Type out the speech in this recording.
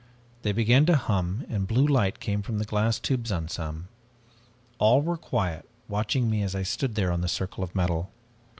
They began to hum, and blue light came from the glass tubes on some. All were quiet, watching me as I stood there on the circle of metal.